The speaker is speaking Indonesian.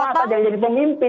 jangan jadi pemimpin